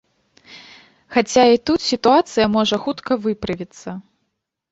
Хаця і тут сітуацыя можа хутка выправіцца.